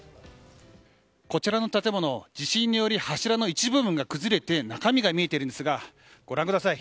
こちらの建物地震により柱の一部分が崩れて中身が見えているんですがご覧ください